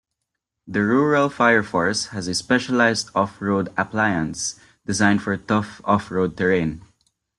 The rural fire force has a specialised off-road appliance designed for tough off-road terrain.